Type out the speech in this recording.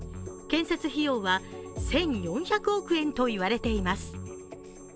建設費用は１４００億円とも言われております。